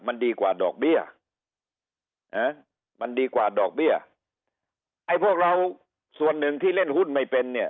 มันดีกว่าดอกเบี้ยนะมันดีกว่าดอกเบี้ยไอ้พวกเราส่วนหนึ่งที่เล่นหุ้นไม่เป็นเนี่ย